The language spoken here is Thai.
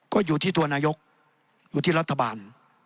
ก็อยู่ที่ตัวนายกอยู่ที่รัฐบาล